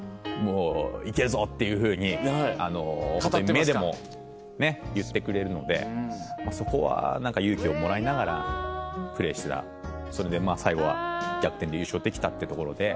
「いけるぞ！」っていうふうに目でも言ってくれるのでそこは勇気をもらいながらプレーしてたらそれで最後は逆転で優勝できたってところで。